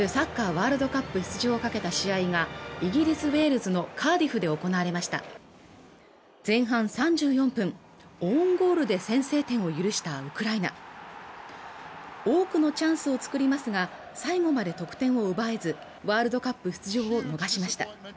ワールドカップ出場を懸けた試合がイギリス・ウェールズのカーディフで行われました前半３４分オウンゴールで先制点を許したウクライナ多くのチャンスを作りますが最後まで得点を奪えずワールドカップ出場を逃しました